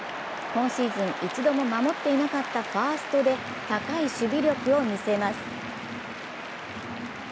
今シーズン一度も守っていなかったファーストで高い守備力を見せます。